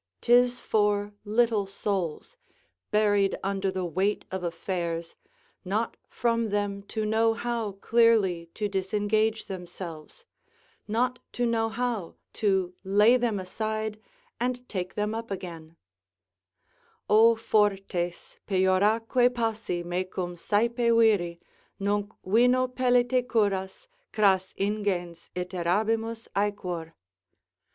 'Tis for little souls, buried under the weight of affairs, not from them to know how clearly to disengage themselves, not to know how to lay them aside and take them up again: "O fortes, pejoraque passi Mecum saepe viri! nunc vino pellite curas Cras ingens iterabimus aequor."